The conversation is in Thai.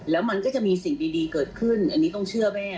แล้วมันก็จะมีสิ่งดีเกิดขึ้นอันนี้ต้องเชื่อแม่